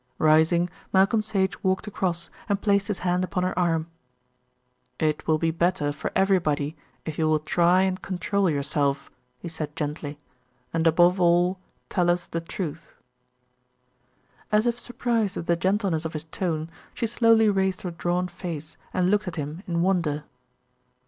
Rising, Malcolm Sage walked across and placed his hand upon her arm. "It will be better for everybody if you will try and control yourself," he said gently, "and above all tell us the truth." As if surprised at the gentleness of his tone, she slowly raised her drawn face and looked at him in wonder.